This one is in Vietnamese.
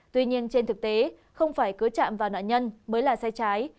tuy nhiên trên thực tế không phải cứ chạm vào nạn nhân mới là sai trái